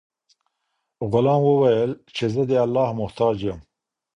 غلام وویل چې زه د الله محتاج یم.